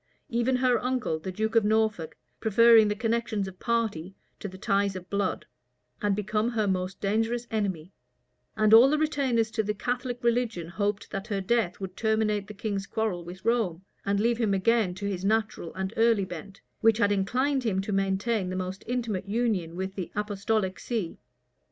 Even her uncle, the duke of Norfolk, preferring the connections of party to the ties of blood, was become her most dangerous enemy; and all the retainers to the Catholic religion hoped that her death would terminate the king's quarrel with Rome, and leave him again to his natural and early bent, which had inclined him to maintain the most intimate union with the apostolic see.